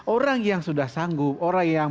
orang yang sudah sanggup orang yang